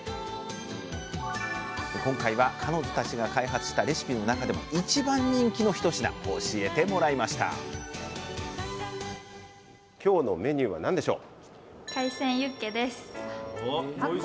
で今回は彼女たちが開発したレシピの中でも一番人気の一品教えてもらいました今日のメニューは何でしょう？